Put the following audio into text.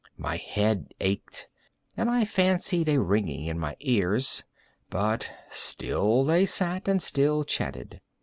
My head ached, and I fancied a ringing in my ears: but still they sat and still chatted.